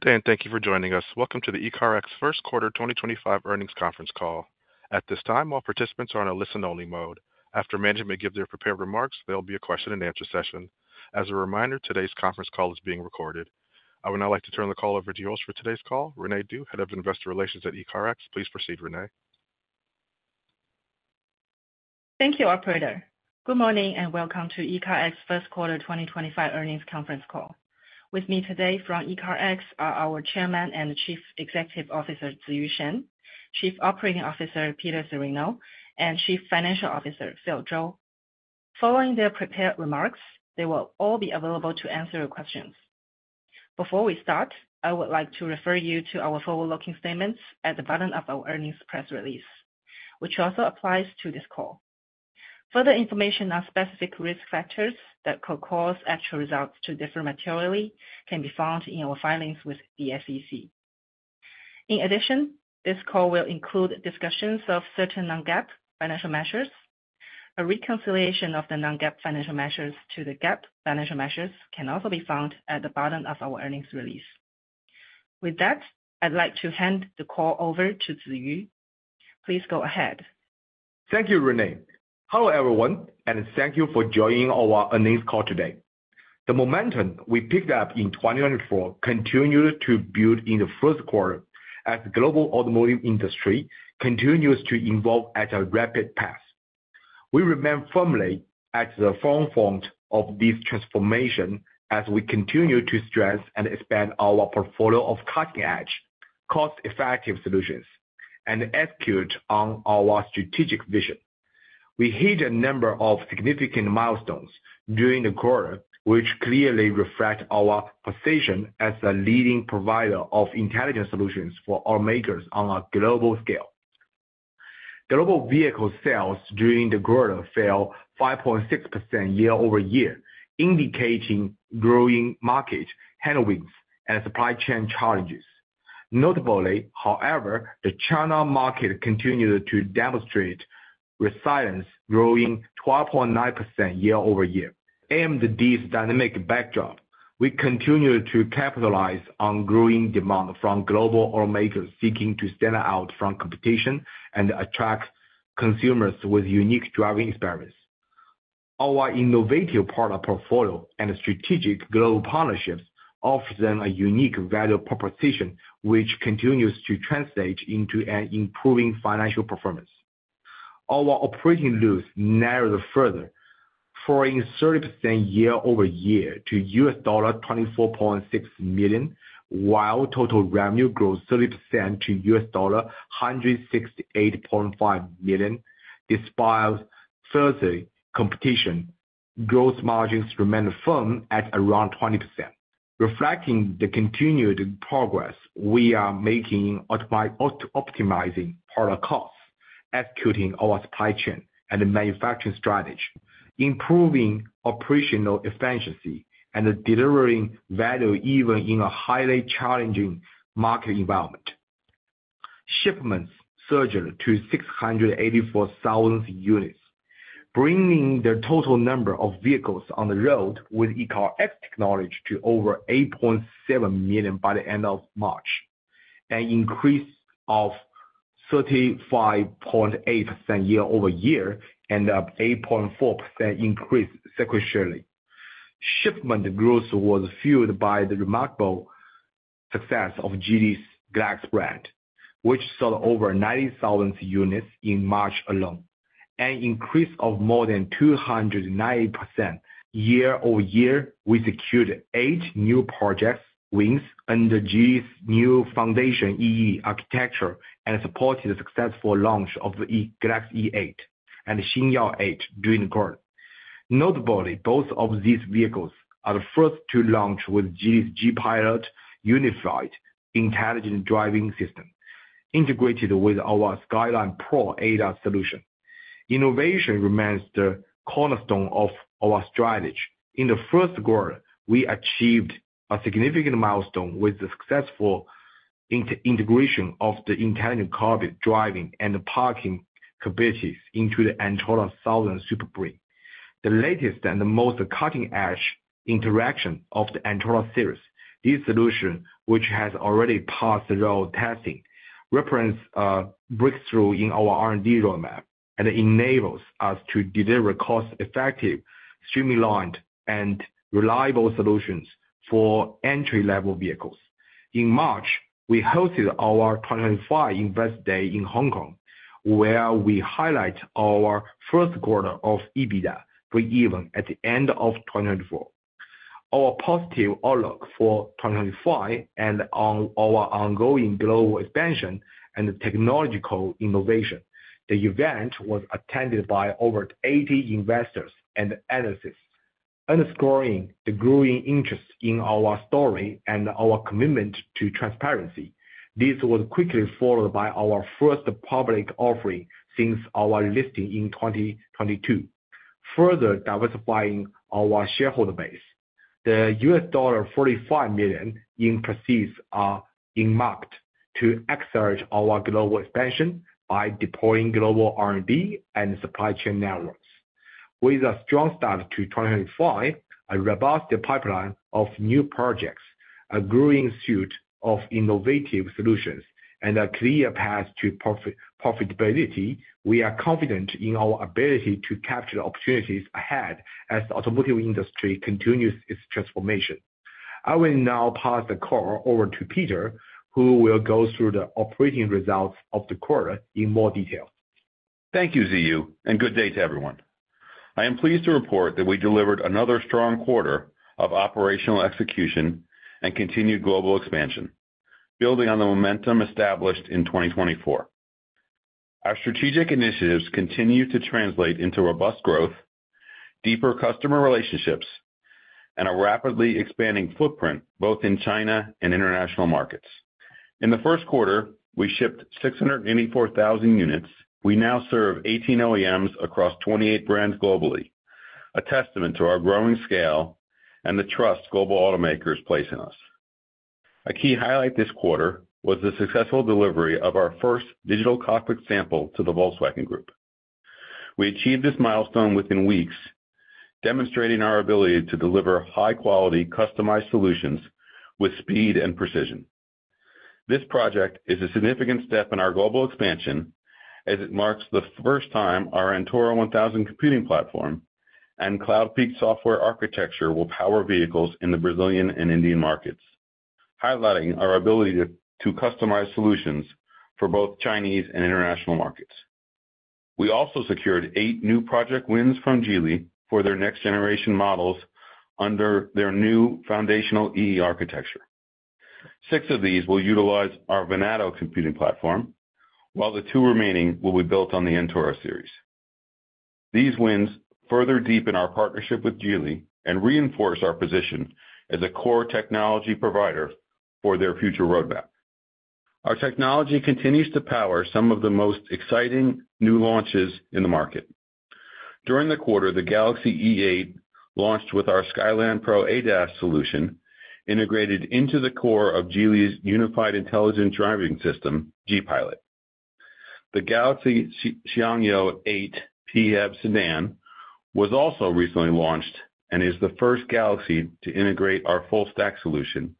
Good day, and thank you for joining us. Welcome to the ECARX first-quarter 2025 earnings conference call. At this time, all participants are on a listen-only mode. After management gives their prepared remarks, there will be a question-and-answer session. As a reminder, today's conference call is being recorded. I would now like to turn the call over to yours for today's call, Rene Du, Head of Investor Relations at ECARX. Please proceed, Rene. Thank you, Operator. Good morning and welcome to ECARX first quarter 2025 earnings conference call. With me today from ECARX are our Chairman and Chief Executive Officer Ziyu Shen, Chief Operating Officer Peter Cirino, and Chief Financial Officer Phil Zhou. Following their prepared remarks, they will all be available to answer your questions. Before we start, I would like to refer you to our forward-looking statements at the bottom of our earnings press release, which also applies to this call. Further information on specific risk factors that could cause actual results to differ materially can be found in our filings with the SEC. In addition, this call will include discussions of certain non-GAAP financial measures. A reconciliation of the non-GAAP financial measures to the GAAP financial measures can also be found at the bottom of our earnings release. With that, I'd like to hand the call over to Ziyu. Please go ahead. Thank you, Rene. Hello, everyone, and thank you for joining our earnings call today. The momentum we picked up in 2024 continued to build in the first quarter as the global automotive industry continues to evolve at a rapid pace. We remain firmly at the forefront of this transformation as we continue to strengthen and expand our portfolio of cutting-edge, cost-effective solutions and execute on our strategic vision. We hit a number of significant milestones during the quarter, which clearly reflect our position as a leading provider of intelligent solutions for automakers on a global scale. Global vehicle sales during the quarter fell 5.6% year-over-year, indicating growing market headwinds and supply chain challenges. Notably, however, the China market continued to demonstrate resilience, growing 12.9% year-over-year. Aimed at this dynamic backdrop, we continue to capitalize on growing demand from global automakers seeking to stand out from competition and attract consumers with unique driving experience. Our innovative product portfolio and strategic global partnerships offer them a unique value proposition, which continues to translate into an improving financial performance. Our operating loss narrowed further, falling 30% year-over-year to $24.6 million, while total revenue grew 30% to $168.5 million. Despite further competition, gross margins remained firm at around 20%. Reflecting the continued progress we are making in optimizing product costs, executing our supply chain and manufacturing strategy, improving operational efficiency, and delivering value even in a highly challenging market environment. Shipments surged to 684,000 units, bringing the total number of vehicles on the road with ECARX technology to over 8.7 million by the end of March, an increase of 35.8% year-over-year and an 8.4% increase sequentially. Shipment growth was fueled by the remarkable success of Geely's Galaxy brand, which sold over 90,000 units in March alone, an increase of more than 290% year-over-year. We secured eight new project wins under Geely's new Foundation E/E architecture and supported the successful launch of the Galaxy E8 and the Xiangyou 8 during the quarter. Notably, both of these vehicles are the first to launch with Geely's G-Pilot Unified Intelligent Driving System, integrated with our Skyline Pro ADAS solution. Innovation remains the cornerstone of our strategy. In the first quarter, we achieved a significant milestone with the successful integration of the Intelligent Cockpit Driving and Parking capabilities into the Antora 1000 SPB. The latest and the most cutting-edge interaction of the Antora series, this solution, which has already passed the road testing, represents a breakthrough in our R&D roadmap and enables us to deliver cost-effective, streamlined, and reliable solutions for entry-level vehicles. In March, we hosted our 2025 Investor Day in Hong Kong, where we highlighted our first quarter of EBITDA break-even at the end of 2024. Our positive outlook for 2025 and on our ongoing global expansion and technological innovation. The event was attended by over 80 investors and analysts, underscoring the growing interest in our story and our commitment to transparency. This was quickly followed by our first public offering since our listing in 2022, further diversifying our shareholder base. The $45 million in proceeds are earmarked to accelerate our global expansion by deploying global R&D and supply chain networks. With a strong start to 2025, a robust pipeline of new projects, a growing suite of innovative solutions, and a clear path to profitability, we are confident in our ability to capture opportunities ahead as the automotive industry continues its transformation. I will now pass the call over to Peter, who will go through the operating results of the quarter in more detail. Thank you, Ziyu, and good day to everyone. I am pleased to report that we delivered another strong quarter of operational execution and continued global expansion, building on the momentum established in 2024. Our strategic initiatives continue to translate into robust growth, deeper customer relationships, and a rapidly expanding footprint both in China and international markets. In the first quarter, we shipped 684,000 units. We now serve 18 OEMs across 28 brands globally, a testament to our growing scale and the trust global automakers place in us. A key highlight this quarter was the successful delivery of our first digital cockpit sample to the Volkswagen Group. We achieved this milestone within weeks, demonstrating our ability to deliver high-quality customized solutions with speed and precision. This project is a significant step in our global expansion as it marks the first time our Antora 1000 computing platform and CloudPeak software architecture will power vehicles in the Brazilian and Indian markets, highlighting our ability to customize solutions for both Chinese and international markets. We also secured eight new project wins from Geely for their next-generation models under their new foundational E/E architecture. Six of these will utilize our Venado computing platform, while the two remaining will be built on the Antora series. These wins further deepen our partnership with Geely and reinforce our position as a core technology provider for their future roadmap. Our technology continues to power some of the most exciting new launches in the market. During the quarter, the Galaxy E8 launched with our Skyline Pro ADAS solution integrated into the core of Geely's Unified Intelligent Driving System, G-Pilot. The Galaxy Xiangyou 8 PHEV sedan was also recently launched and is the first Galaxy to integrate our full-stack solution,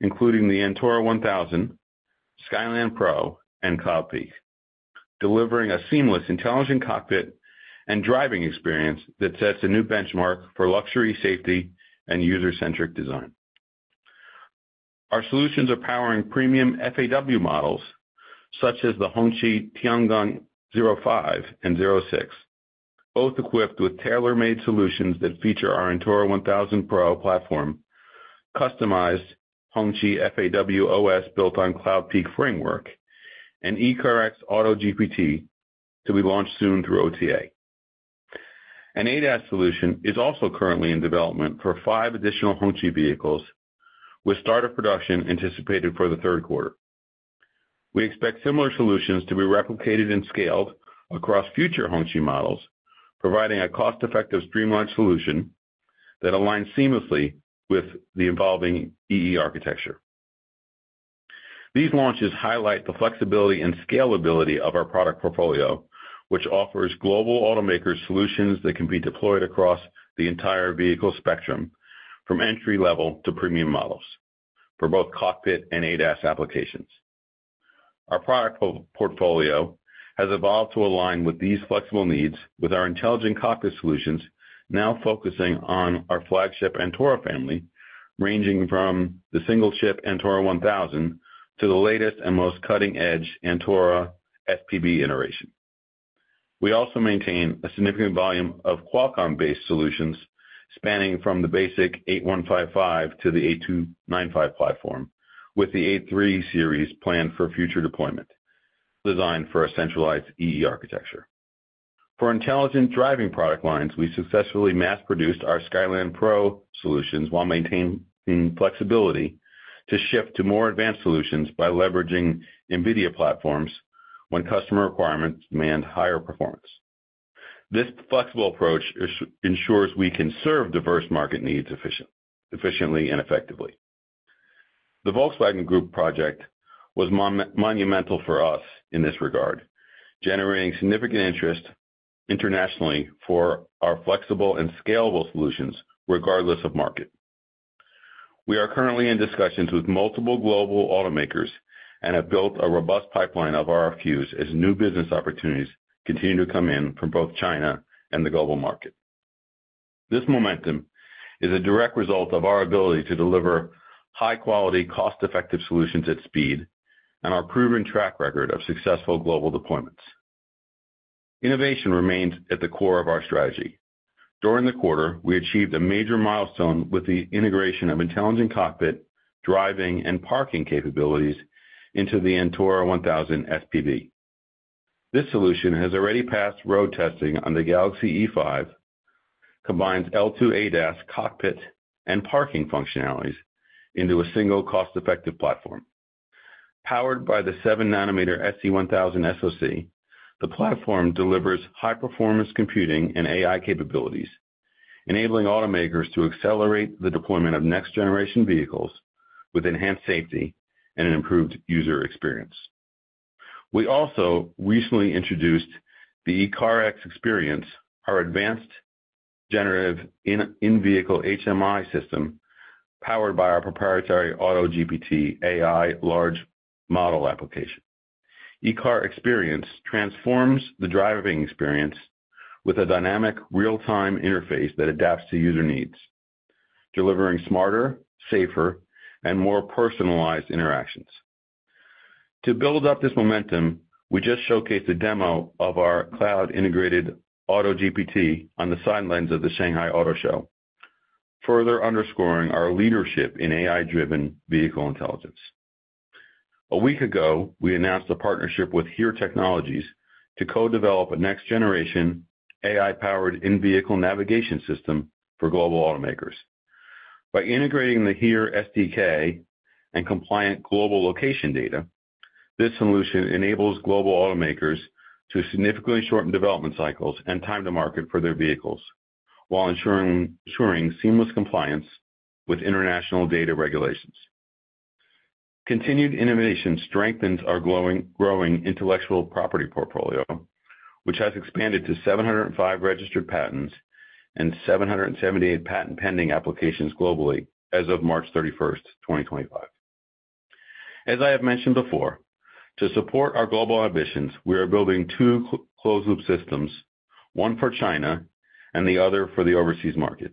including the Antora 1000, Skyline Pro, and CloudPeak, delivering a seamless intelligent cockpit and driving experience that sets a new benchmark for luxury, safety, and user-centric design. Our solutions are powering premium FAW models such as the Hongqi Tiangong 05 and 06, both equipped with tailor-made solutions that feature our Antora 1000 Pro platform, customized Hongqi FAW OS built on CloudPeak framework, and ECARX Auto GPT to be launched soon through OTA. An ADAS solution is also currently in development for five additional Hongqi vehicles, with start of production anticipated for the third quarter. We expect similar solutions to be replicated and scaled across future Hongqi models, providing a cost-effective streamlined solution that aligns seamlessly with the evolving E/E architecture. These launches highlight the flexibility and scalability of our product portfolio, which offers global automakers solutions that can be deployed across the entire vehicle spectrum, from entry-level to premium models for both cockpit and ADAS applications. Our product portfolio has evolved to align with these flexible needs, with our intelligent cockpit solutions now focusing on our flagship Antora family, ranging from the single-chip Antora 1000 to the latest and most cutting-edge Antora SPB iteration. We also maintain a significant volume of Qualcomm-based solutions spanning from the basic 8155 to the 8295 platform, with the 83 series planned for future deployment, designed for a centralized E/E architecture. For intelligent driving product lines, we successfully mass-produced our Skyline Pro solutions while maintaining flexibility to shift to more advanced solutions by leveraging NVIDIA platforms when customer requirements demand higher performance. This flexible approach ensures we can serve diverse market needs efficiently and effectively. The Volkswagen Group project was monumental for us in this regard, generating significant interest internationally for our flexible and scalable solutions, regardless of market. We are currently in discussions with multiple global automakers and have built a robust pipeline of RFQs as new business opportunities continue to come in from both China and the global market. This momentum is a direct result of our ability to deliver high-quality, cost-effective solutions at speed and our proven track record of successful global deployments. Innovation remains at the core of our strategy. During the quarter, we achieved a major milestone with the integration of intelligent cockpit, driving, and parking capabilities into the Antora 1000 SPB. This solution has already passed road testing on the Galaxy E5, combines L2 ADAS cockpit and parking functionalities into a single cost-effective platform. Powered by the 7nm SE1000 SoC, the platform delivers high-performance computing and AI capabilities, enabling automakers to accelerate the deployment of next-generation vehicles with enhanced safety and an improved user experience. We also recently introduced the ECARX Experience, our advanced generative in-vehicle HMI system powered by our proprietary Auto GPT AI large model application. ECARX Experience transforms the driving experience with a dynamic real-time interface that adapts to user needs, delivering smarter, safer, and more personalized interactions. To build up this momentum, we just showcased a demo of our cloud-integrated Auto GPT on the sidelines of the Shanghai Auto Show, further underscoring our leadership in AI-driven vehicle intelligence. A week ago, we announced a partnership with HERE Technologies to co-develop a next-generation AI-powered in-vehicle navigation system for global automakers. By integrating the HERE SDK and compliant global location data, this solution enables global automakers to significantly shorten development cycles and time to market for their vehicles while ensuring seamless compliance with international data regulations. This continued innovation strengthens our growing intellectual property portfolio, which has expanded to 705 registered patents and 778 patent-pending applications globally as of March 31, 2025. As I have mentioned before, to support our global ambitions, we are building two closed-loop systems, one for China and the other for the overseas market,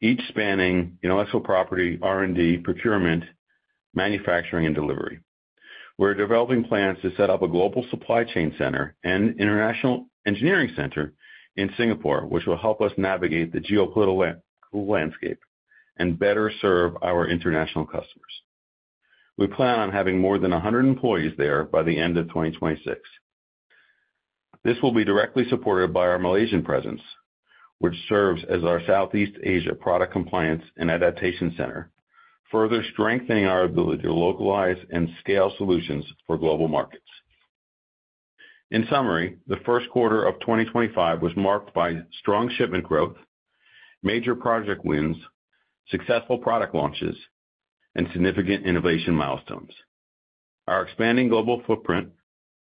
each spanning intellectual property, R&D, procurement, manufacturing, and delivery. We're developing plans to set up a global supply chain center and international engineering center in Singapore, which will help us navigate the geopolitical landscape and better serve our international customers. We plan on having more than 100 employees there by the end of 2026. This will be directly supported by our Malaysian presence, which serves as our Southeast Asia product compliance and adaptation center, further strengthening our ability to localize and scale solutions for global markets. In summary, the first quarter of 2025 was marked by strong shipment growth, major project wins, successful product launches, and significant innovation milestones. Our expanding global footprint,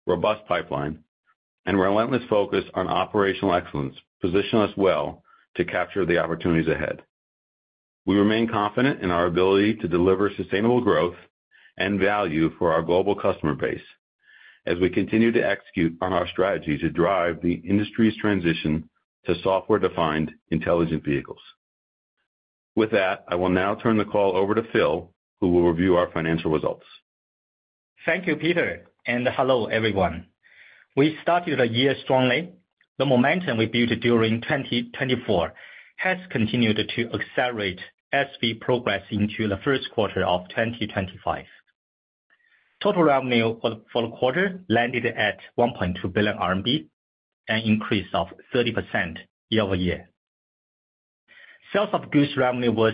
robust pipeline, and relentless focus on operational excellence position us well to capture the opportunities ahead. We remain confident in our ability to deliver sustainable growth and value for our global customer base as we continue to execute on our strategy to drive the industry's transition to software-defined intelligent vehicles. With that, I will now turn the call over to Phil, who will review our financial results. Thank you, Peter, and hello, everyone. We started the year strongly. The momentum we built during 2024 has continued to accelerate as we progress into the first quarter of 2025. Total revenue for the quarter landed at 1.2 billion RMB, an increase of 30% year-over-year. Sales of goods revenue was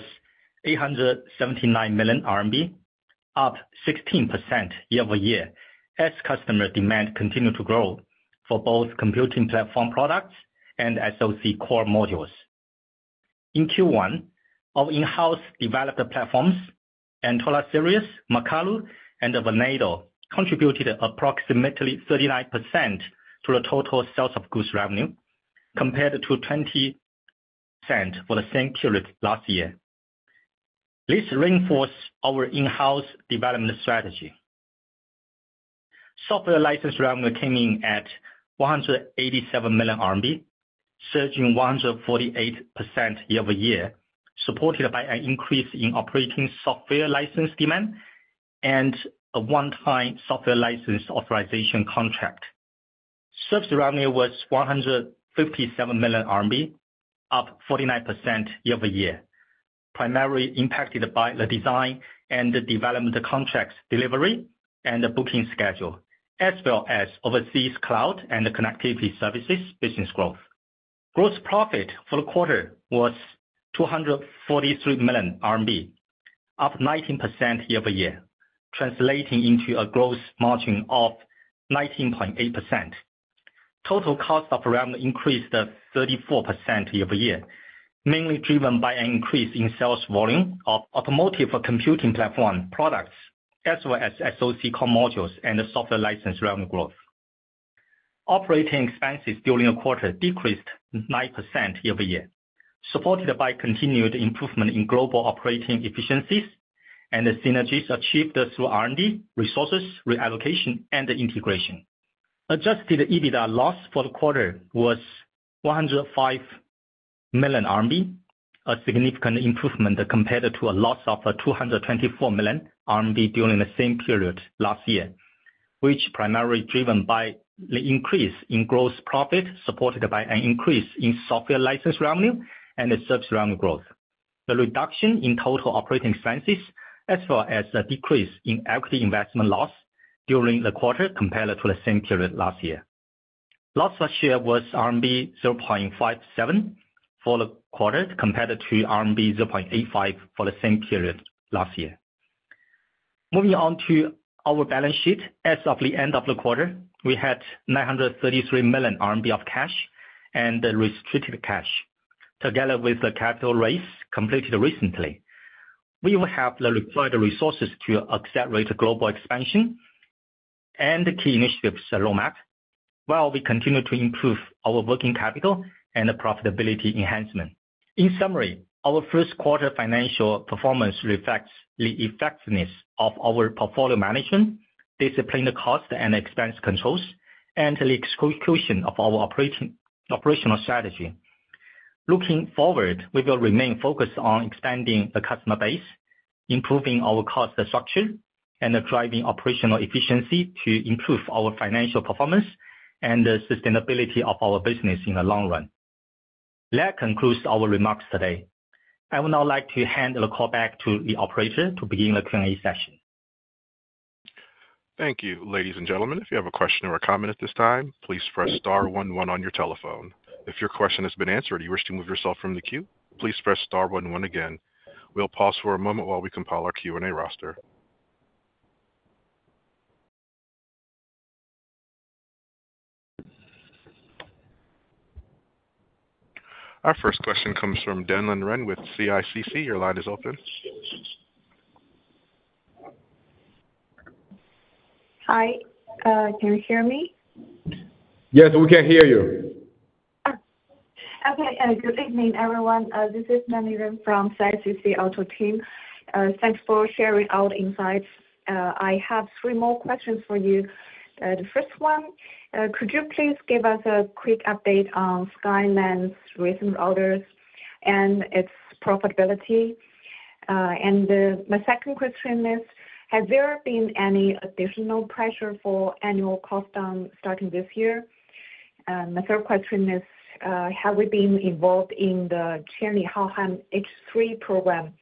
879 million RMB, up 16% year-over-year as customer demand continued to grow for both computing platform products and SoC core modules. In Q1, our in-house developed platforms, Antora series, Makalu, and Venado contributed approximately 39% to the total sales of goods revenue, compared to 20% for the same period last year. This reinforced our in-house development strategy. Software license revenue came in at 187 million RMB, surging 148% year-over-year, supported by an increase in operating software license demand and a one-time software license authorization contract. Service revenue was 157 million RMB, up 49% year-over-year, primarily impacted by the design and development contracts delivery and the booking schedule, as well as overseas cloud and connectivity services business growth. Gross profit for the quarter was 243 million RMB, up 19% year-over-year, translating into a gross margin of 19.8%. Total cost of revenue increased 34% year-over-year, mainly driven by an increase in sales volume of automotive computing platform products, as well as SoC core modules and software license revenue growth. Operating expenses during the quarter decreased 9% year-over-year, supported by continued improvement in global operating efficiencies and the synergies achieved through R&D, resources, reallocation, and integration. Adjusted EBITDA loss for the quarter was 105 million RMB, a significant improvement compared to a loss of 224 million RMB during the same period last year, which was primarily driven by the increase in gross profit supported by an increase in software license revenue and the service revenue growth, the reduction in total operating expenses, as well as a decrease in equity investment loss during the quarter compared to the same period last year. Loss last year was RMB 0.57 for the quarter compared to RMB 0.85 for the same period last year. Moving on to our balance sheet, as of the end of the quarter, we had 933 million RMB of cash and restricted cash, together with the capital raise completed recently. We will have the required resources to accelerate global expansion and key initiatives roadmap while we continue to improve our working capital and profitability enhancement. In summary, our first quarter financial performance reflects the effectiveness of our portfolio management, disciplined cost and expense controls, and the execution of our operational strategy. Looking forward, we will remain focused on expanding the customer base, improving our cost structure, and driving operational efficiency to improve our financial performance and the sustainability of our business in the long run. That concludes our remarks today. I would now like to hand the call back to the operator to begin the Q&A session. Thank you, ladies and gentlemen. If you have a question or a comment at this time, please press star 11 on your telephone. If your question has been answered, you wish to move yourself from the queue, please press star 11 again. We'll pause for a moment while we compile our Q&A roster. Our first question comes from Danlin Ren with CICC. Your line is open. Hi, can you hear me? Yes, we can hear you. Okay. Good evening, everyone. This is Danlin Ren from CICC Auto Team. Thanks for sharing our insights. I have three more questions for you. The first one, could you please give us a quick update on Skyline's recent orders and its profitability? My second question is, has there been any additional pressure for annual costs starting this year? My third question is, have we been involved in the Qianli Haohan H3 program?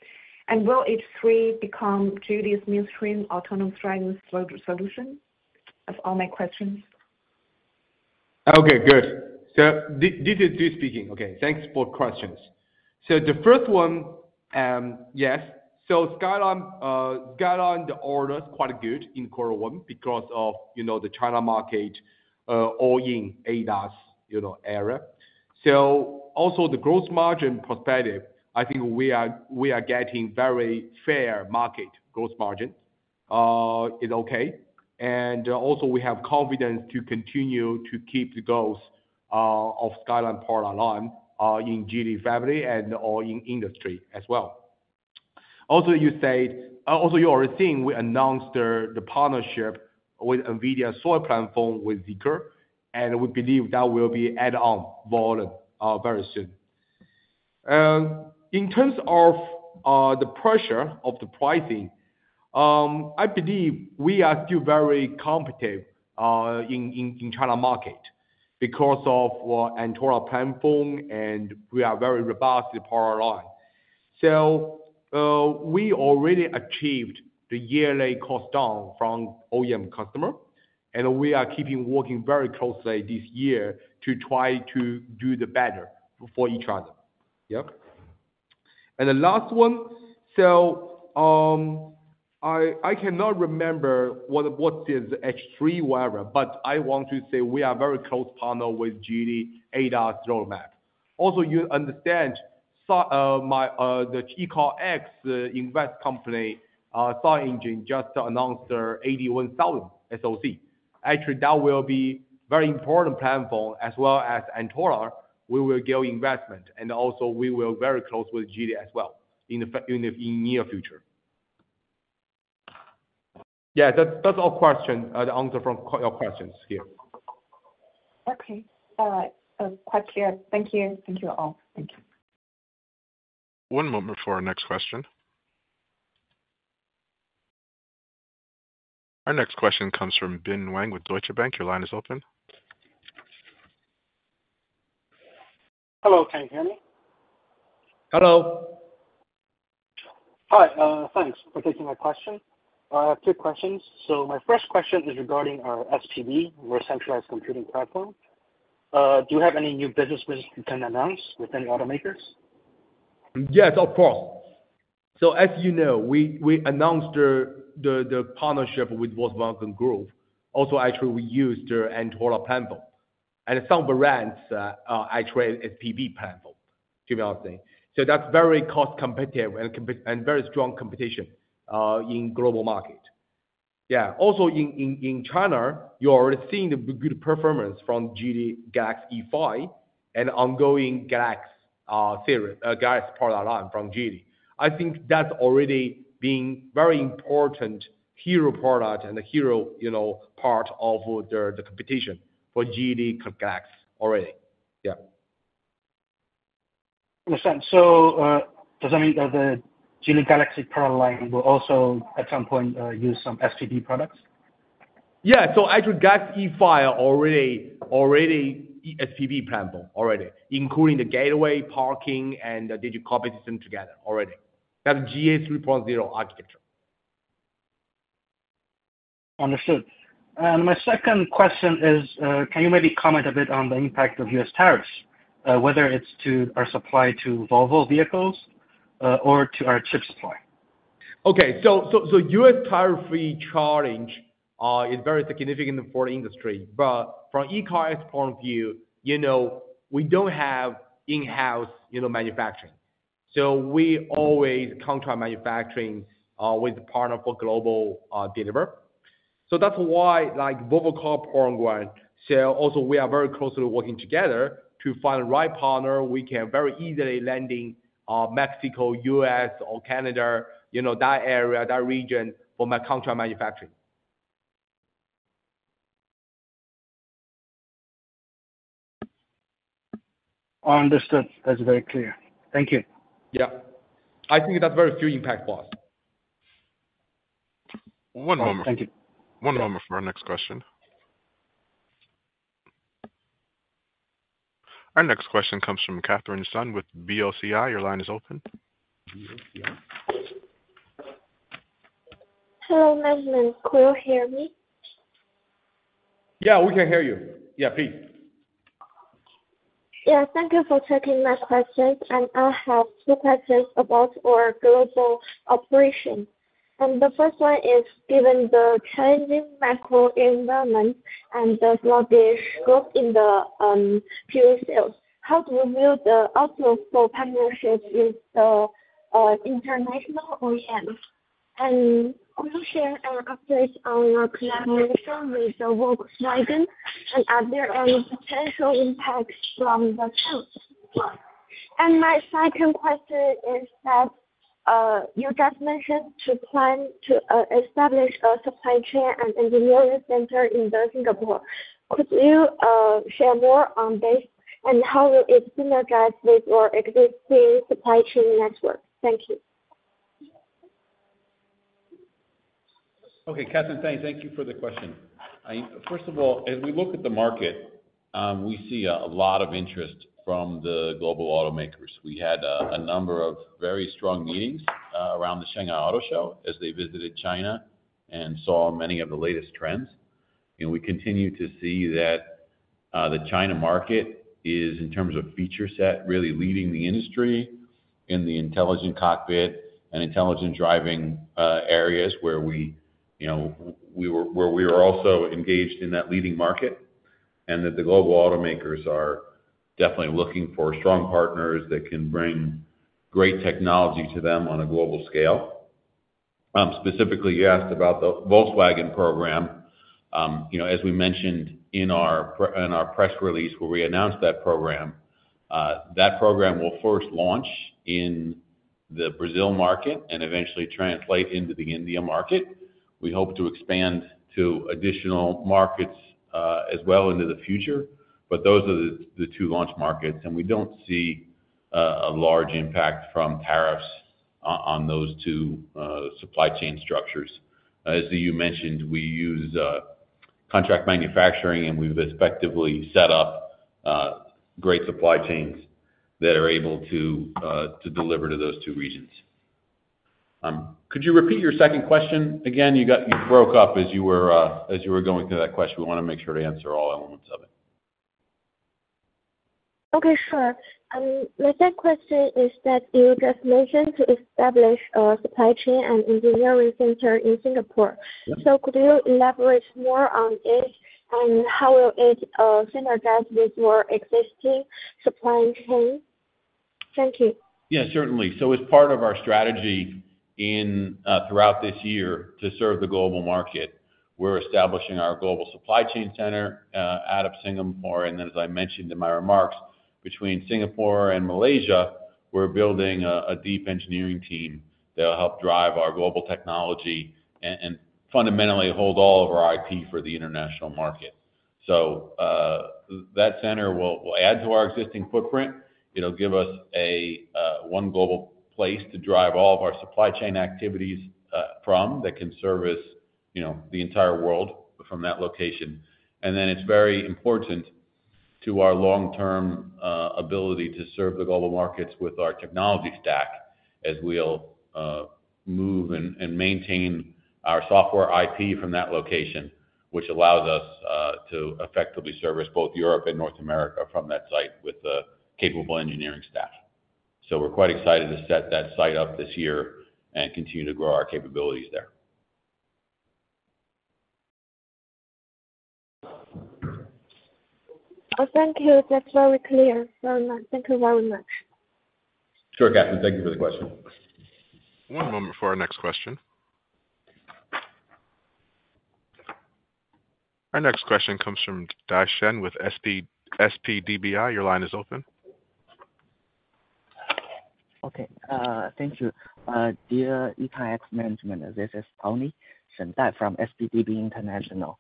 Will H3 become Geely's mainstream autonomous driving solution? That's all my questions. Okay, good. This is Ziyu speaking. Okay, thanks for questions. The first one, yes. Skyline's order is quite good in quarter one because of the China market all in ADAS era. Also, the gross margin perspective, I think we are getting very fair market gross margin. It's okay. We have confidence to continue to keep the goals of Skyline product line in Geely's family and all in industry as well. You said also you already seen we announced the partnership with NVIDIA's Orin platform with Zeekr, and we believe that will be add-on volume very soon. In terms of the pressure of the pricing, I believe we are still very competitive in China market because of Antora platform, and we are very robust in the product line. We already achieved the yearly cost down from OEM customer, and we are keeping working very closely this year to try to do the better for each other. Yeah. The last one, I cannot remember what is H3 whatever, but I want to say we are a very close partner with Geely ADAS roadmap. Also, you understand the ECARX invest company SiEngine just announced their SE1000 SoC. Actually, that will be a very important platform as well as Antora. We will give investment, and also we will be very close with Geely as well in the near future. Yeah, that's all questions, the answer from your questions here. Okay. Quite clear. Thank you. Thank you all. Thank you. One moment for our next question. Our next question comes from Bin Wang with Deutsche Bank. Your line is open. Hello, can you hear me? Hello. Hi, thanks for taking my question. I have two questions. My first question is regarding our SPB, our centralized computing platform. Do you have any new businesses you can announce with any automakers? Yes, of course. As you know, we announced the partnership with Volkswagen Group. Also, actually, we used their Antora platform. And some brands actually SPB platform, to be honestly. That is very cost competitive and very strong competition in global market. Yeah. Also in China, you already seen the good performance from Geely Galaxy E5 and ongoing Galaxy product line from Geely. I think that has already been a very important hero product and a hero part of the competition for Geely Galaxy already. Yeah. Understand. Does that mean that the Geely Galaxy product line will also at some point use some SPB products? Yeah. So actually Galaxy E5 already SPB platform already, including the gateway, parking, and the digital copy system together already. That's E/E 3.0 architecture. Understood. My second question is, can you maybe comment a bit on the impact of U.S. tariffs, whether it's to our supply to Volvo vehicles or to our chip supply? Okay. U.S. tariff-free challenge is very significant for the industry. From ECARX point of view, we do not have in-house manufacturing. We always contract manufacturing with a partner for global delivery. That is why Volvo Cars, Porsche, and Volkswagen, also we are very closely working together to find the right partner. We can very easily land in Mexico, U.S., or Canada, that area, that region for my contract manufacturing. Understood. That's very clear. Thank you. Yeah. I think that's very few impact for us. One moment. Thank you. One moment for our next question. Our next question comes from Catherine Sun with BOCI. Your line is open. Hello, Rene. Could you hear me? Yeah, we can hear you. Yeah, Pete. Yeah, thank you for taking my question. I have two questions about our global operation. The first one is, given the challenging macro environment and the sluggish growth in the fuel sales, how do we build the outlook for partnerships with the international OEMs? Could you share our updates on our collaboration with Volkswagen and other potential impacts from the sales? My second question is that you just mentioned to plan to establish a supply chain and engineering center in Singapore. Could you share more on this and how will it synergize with your existing supply chain network? Thank you. Okay, Catherine, thank you for the question. First of all, as we look at the market, we see a lot of interest from the global automakers. We had a number of very strong meetings around the Shanghai Auto Show as they visited China and saw many of the latest trends. We continue to see that the China market is, in terms of feature set, really leading the industry in the intelligent cockpit and intelligent driving areas where we are also engaged in that leading market. The global automakers are definitely looking for strong partners that can bring great technology to them on a global scale. Specifically, you asked about the Volkswagen program. As we mentioned in our press release where we announced that program, that program will first launch in the Brazil market and eventually translate into the India market. We hope to expand to additional markets as well into the future. Those are the two launch markets. We do not see a large impact from tariffs on those two supply chain structures. As you mentioned, we use contract manufacturing, and we have effectively set up great supply chains that are able to deliver to those two regions. Could you repeat your second question again? You broke up as you were going through that question. We want to make sure to answer all elements of it. Okay, sure. My third question is that you just mentioned to establish a supply chain and engineering center in Singapore. Could you elaborate more on it and how will it synergize with your existing supply chain? Thank you. Yeah, certainly. As part of our strategy throughout this year to serve the global market, we're establishing our global supply chain center out of Singapore. As I mentioned in my remarks, between Singapore and Malaysia, we're building a deep engineering team that will help drive our global technology and fundamentally hold all of our IP for the international market. That center will add to our existing footprint. It'll give us one global place to drive all of our supply chain activities from that can service the entire world from that location. It is very important to our long-term ability to serve the global markets with our technology stack as we'll move and maintain our software IP from that location, which allows us to effectively service both Europe and North America from that site with a capable engineering staff. We're quite excited to set that site up this year and continue to grow our capabilities there. Thank you. That's very clear. Thank you very much. Sure, Catherine. Thank you for the question. One moment for our next question. Our next question comes from Dai Shen with SPDBI. Your line is open. Okay. Thank you. Dear ECARX management, this is Shen Dai from SPDB International.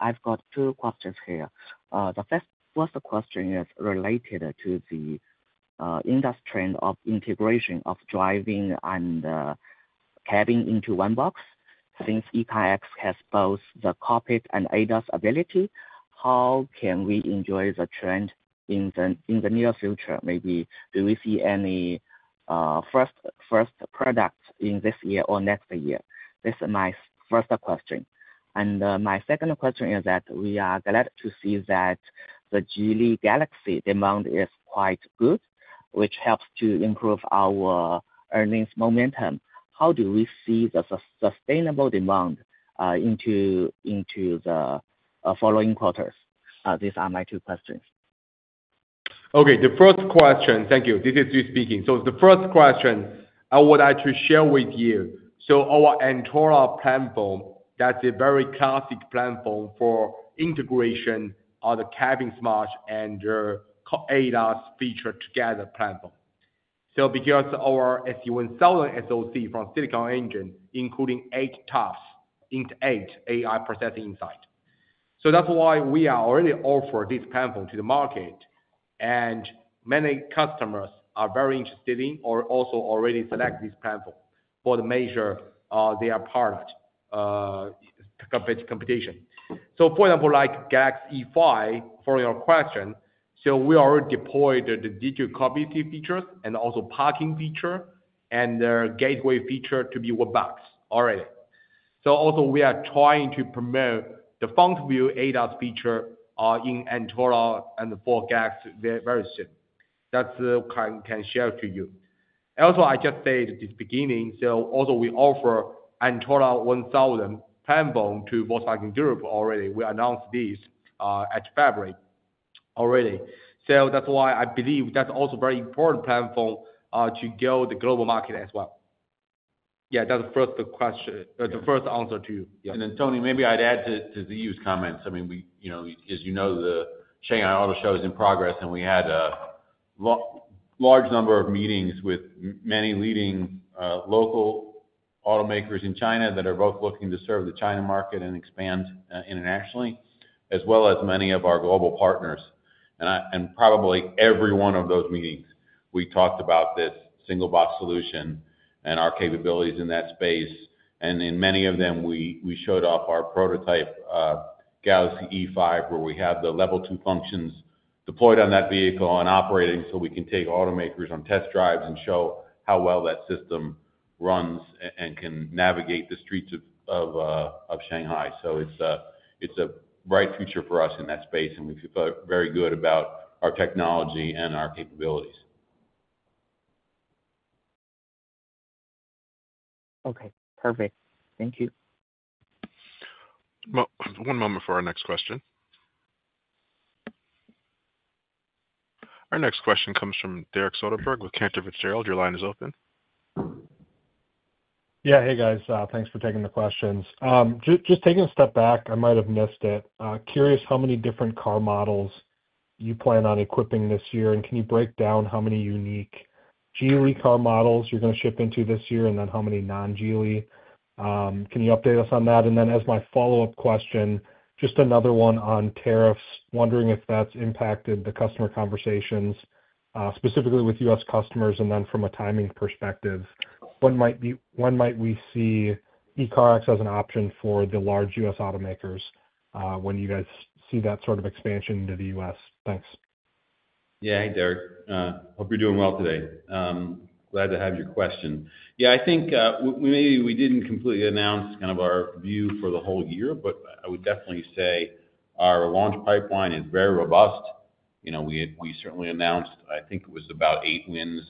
I've got two questions here. The first question is related to the industry of integration of driving and cabin into one box. Since ECARX has both the cockpit and ADAS ability, how can we enjoy the trend in the near future? Maybe do we see any first product in this year or next year? This is my first question. My second question is that we are glad to see that the Geely Galaxy demand is quite good, which helps to improve our earnings momentum. How do we see the sustainable demand into the following quarters? These are my two questions. Okay. The first question, thank you. This is Ziyu speaking. The first question I would like to share with you. Our Antora platform, that's a very classic platform for integration of the cabin smart and ADAS feature together platform. Because our SE 1000 SoC from SiEngine, including eight TOPS, int8 AI processing insight. That's why we are already offering this platform to the market. Many customers are very interested in or also already select this platform for the major their product competition. For example, like Galaxy E5, for your question, we already deployed the digital copy features and also parking feature and the gateway feature to be one box already. We are trying to promote the front view ADAS feature in Antora and the Ford Galaxy very soon. That's what I can share to you. Also, I just said at the beginning, we offer Antora 1000 platform to Volkswagen Group already. We announced this at February already. That is why I believe that is also a very important platform to go to the global market as well. Yeah, that is the first question, the first answer to you. Tony, maybe I'd add to the used comments. I mean, as you know, the Shanghai Auto Show is in progress, and we had a large number of meetings with many leading local automakers in China that are both looking to serve the China market and expand internationally, as well as many of our global partners. In probably every one of those meetings, we talked about this single box solution and our capabilities in that space. In many of them, we showed off our prototype Galaxy E5, where we have the level two functions deployed on that vehicle and operating so we can take automakers on test drives and show how well that system runs and can navigate the streets of Shanghai. It is a bright future for us in that space, and we feel very good about our technology and our capabilities. Okay. Perfect. Thank you. One moment for our next question. Our next question comes from Derek Soderberg with Cantor Fitzgerald. Your line is open. Yeah, hey guys. Thanks for taking the questions. Just taking a step back, I might have missed it. Curious how many different car models you plan on equipping this year, and can you break down how many unique Geely car models you're going to ship into this year, and then how many non-Geely? Can you update us on that? As my follow-up question, just another one on tariffs, wondering if that's impacted the customer conversations, specifically with U.S. customers, and from a timing perspective, when might we see ECARX as an option for the large U.S. automakers when you guys see that sort of expansion into the U.S.? Thanks. Yeah, hey Derek. Hope you're doing well today. Glad to have your question. Yeah, I think maybe we didn't completely announce kind of our view for the whole year, but I would definitely say our launch pipeline is very robust. We certainly announced, I think it was about eight wins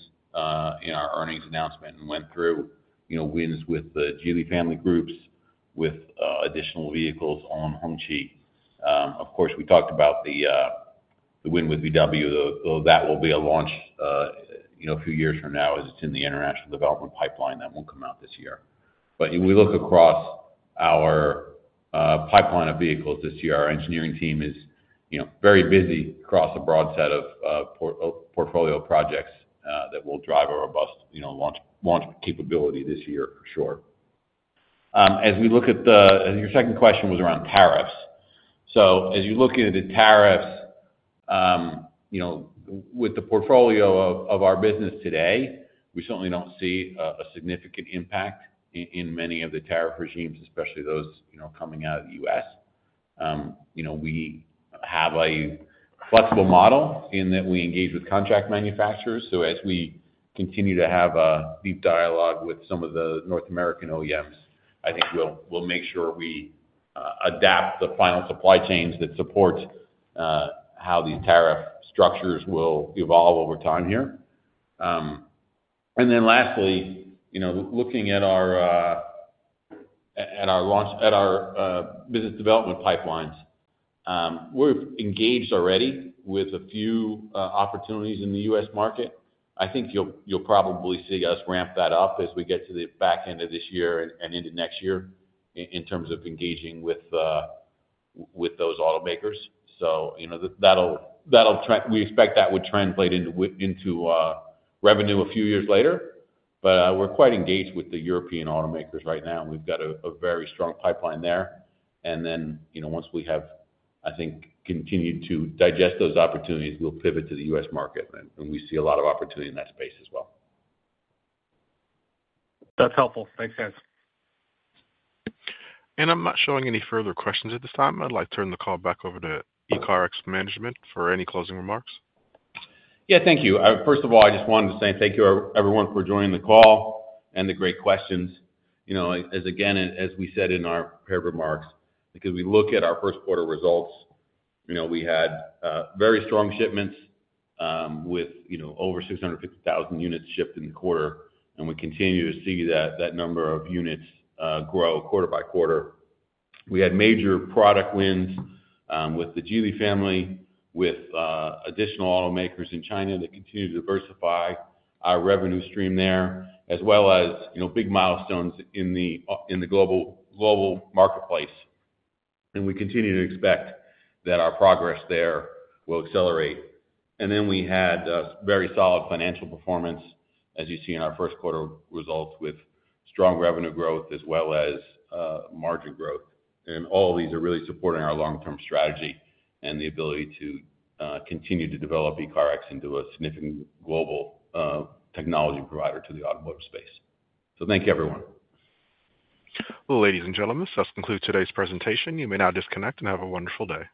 in our earnings announcement and went through wins with the Geely family groups with additional vehicles on Hongqi. Of course, we talked about the win with VW, though that will be a launch a few years from now as it's in the international development pipeline that won't come out this year. We look across our pipeline of vehicles this year. Our engineering team is very busy across a broad set of portfolio projects that will drive a robust launch capability this year for sure. As we look at the your second question was around tariffs. As you look at the tariffs, with the portfolio of our business today, we certainly don't see a significant impact in many of the tariff regimes, especially those coming out of the U.S. We have a flexible model in that we engage with contract manufacturers. As we continue to have a deep dialogue with some of the North American OEMs, I think we'll make sure we adapt the final supply chains that support how these tariff structures will evolve over time here. Lastly, looking at our business development pipelines, we've engaged already with a few opportunities in the U.S. market. I think you'll probably see us ramp that up as we get to the back end of this year and into next year in terms of engaging with those automakers. That will, we expect, translate into revenue a few years later. We're quite engaged with the European automakers right now. We've got a very strong pipeline there. Once we have, I think, continued to digest those opportunities, we'll pivot to the U.S. market. We see a lot of opportunity in that space as well. That's helpful. Thanks, guys. I'm not showing any further questions at this time. I'd like to turn the call back over to ECARX management for any closing remarks. Yeah, thank you. First of all, I just wanted to say thank you, everyone, for joining the call and the great questions. As we said in our prepared remarks, as we look at our first quarter results, we had very strong shipments with over 650,000 units shipped in the quarter. We continue to see that number of units grow quarter by quarter. We had major product wins with the Geely family, with additional automakers in China that continue to diversify our revenue stream there, as well as big milestones in the global marketplace. We continue to expect that our progress there will accelerate. We had very solid financial performance, as you see in our first quarter results, with strong revenue growth, as well as margin growth. All of these are really supporting our long-term strategy and the ability to continue to develop ECARX into a significant global technology provider to the automotive space. Thank you, everyone. Ladies and gentlemen, this does conclude today's presentation. You may now disconnect and have a wonderful day.